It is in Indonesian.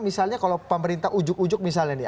misalnya kalau pemerintah ujuk ujug misalnya nih